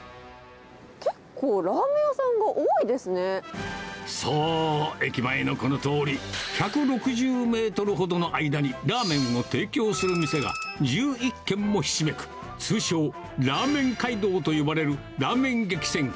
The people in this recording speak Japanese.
結構、そう、駅前のこの通り、１６０メートルほどの間に、ラーメンを提供する店が１１軒もひしめく、通称、ラーメン街道と呼ばれるラーメン激戦区。